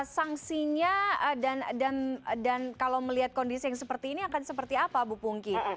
sanksinya dan kalau melihat kondisi yang seperti ini akan seperti apa bu pungki